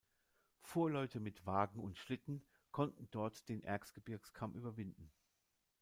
Fuhrleute mit Wagen und Schlitten konnten dort den Erzgebirgskamm überwinden.